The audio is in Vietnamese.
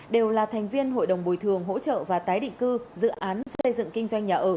đều là thành viên hội đồng bồi thường hỗ trợ và tái định cư dự án xây dựng kinh doanh nhà ở